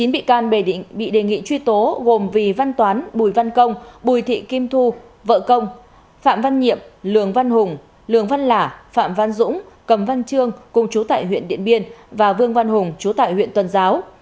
chín bị can bình định bị đề nghị truy tố gồm vy văn toán bùi văn công bùi thị kim thu vợ công phạm văn nhiệm lường văn hùng lường văn lả phạm văn dũng cầm văn trương cùng chú tại huyện điện biên và vương văn hùng chú tại huyện tuần giáo